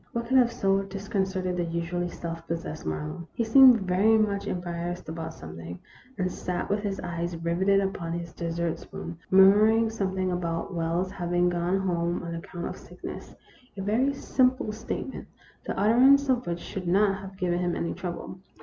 What could have so disconcerted the usually self possessed Marlowe? He seemed very much em barrassed about something, and sat with his eyes riveted upon his dessert spoon, murmuring some thing about Wells's having gone home on account of sickness a very simple statement, the utterance of which should not have given him any trouble.